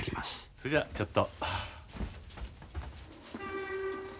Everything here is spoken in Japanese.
それじゃあちょっと。